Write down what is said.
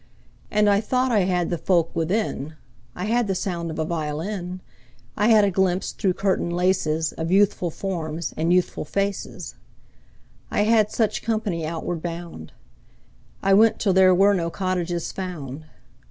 And I thought I had the folk within: I had the sound of a violin; I had a glimpse through curtain laces Of youthful forms and youthful faces. I had such company outward bound. I went till there were no cottages found.